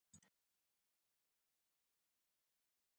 Kaykunallapi waqanaypaq.